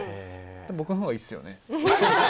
僕の方がいいですよね。